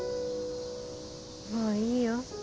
もういいよ。